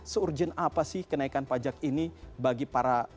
seurjin apa sih kenaikan pajak ini bagi para pemerintah begitu ya